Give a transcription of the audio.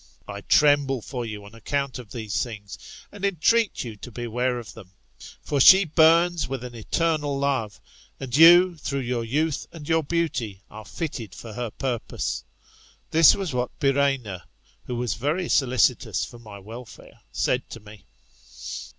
I tremble for you on account of these things, and entreat you to beware of them. For she burns with an eternal love, and you, through your youth and your beauty, are fitted for her purpose. This was what Byrrhaena, who was very solicitous for my welfare, said to me.